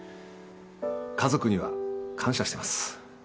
家族には感謝してます。